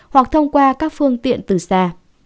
hoặc thông qua các phương tiện từ xa